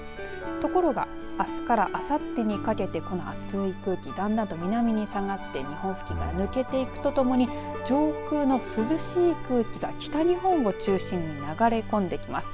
ところがあすからあさってにかけてこの暑い空気だんだんと南に下がって日本付近から抜けていくとともに上空の涼しい空気が北日本を中心に流れ込んできます。